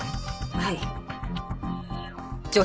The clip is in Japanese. はい。